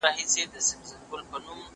زه اوږده وخت مېوې وچوم وم!.